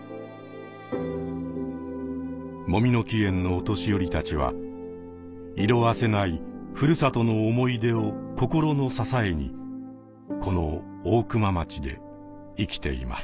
もみの木苑のお年寄りたちは色あせない故郷の思い出を心の支えにこの大熊町で生きています。